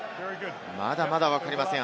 まだまだわかりません。